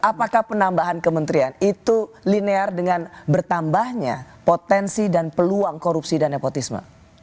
apakah penambahan kementerian itu linear dengan bertambahnya potensi dan peluang korupsi dan nepotisme